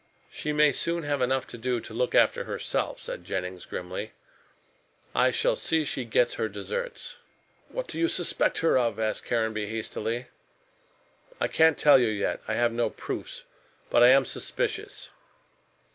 "She may soon have enough to do to look after herself," said Jennings grimly. "I shall see that she gets her deserts." "What do you suspect her of?" asked Caranby hastily. "I can't tell you yet. I have no proofs. But I am suspicious."